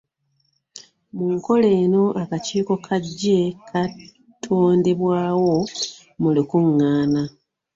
Mu nkola eno akakiiko ka gye kaatondebwawo mu lukuŋŋaana.